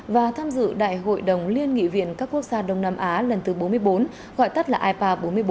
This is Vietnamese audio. và tham dự đại hội đồng liên nghị viện các quốc gia đông nam á lần thứ bốn mươi bốn gọi tắt là ipa bốn mươi bốn